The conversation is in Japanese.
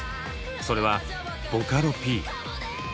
それはボカロＰ。